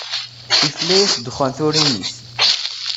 Ifla-yas ddexxan turin-is.